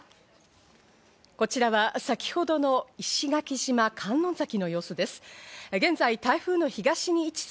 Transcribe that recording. こちらは先ほどの石垣島観音崎の様子です。